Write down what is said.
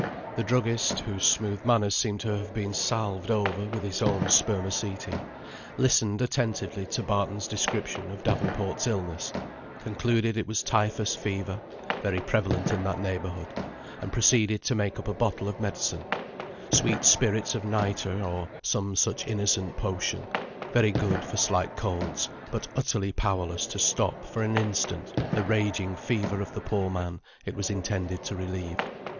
The druggist (whose smooth manners seemed to have been salved over with his own spermaceti) listened attentively to Barton's description of Davenport's illness; concluded it was typhus fever, very prevalent in that neighbourhood; and proceeded to make up a bottle of medicine, sweet spirits of nitre, or some such innocent potion, very good for slight colds, but utterly powerless to stop, for an instant, the raging fever of the poor man it was intended to relieve.